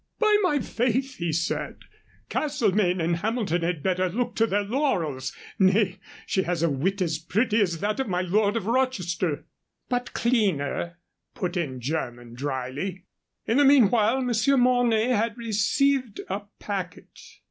"By my faith!" he said, "Castlemaine and Hamilton had better look to their laurels. Nay, she has a wit as pretty as that of my lord of Rochester." "But cleaner," put in Jermyn, dryly. In the meanwhile Monsieur Mornay had received a packet.